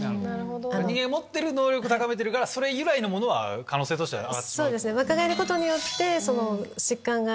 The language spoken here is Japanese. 人間が持ってる能力を高めてるからそれ由来のものは可能性としては上がってしまう。